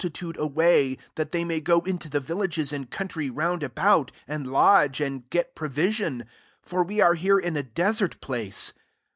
tude away, that they may go into the villages and country roond about, and lodge, and get provision : for we are here in a desert place.''